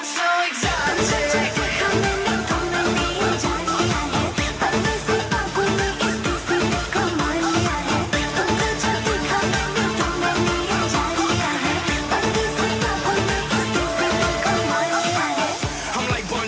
saudara saudaraku pemirsa di seluruh nusantara